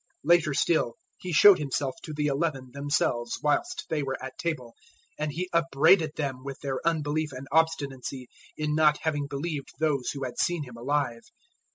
016:014 Later still He showed Himself to the Eleven themselves whilst they were at table, and He upbraided them with their unbelief and obstinacy in not having believed those who had seen Him alive.